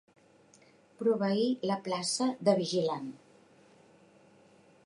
Proveir la plaça de vigilant.